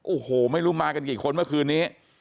โอ้โหไม่รู้มากันกี่คนเมื่อคืนนี้